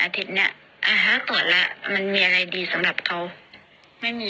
เพราะว่าทุกครั้งที่เกิดกระแสโจมตี